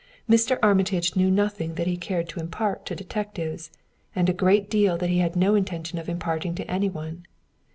Mr. Armitage knew nothing that he cared to impart to detectives, and a great deal that he had no intention of imparting to any one.